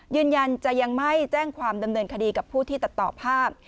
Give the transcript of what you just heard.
ยืนยันจะยังไม่แจ้งความดำเนินคดีกับผู้ที่ตัดต่อภาพ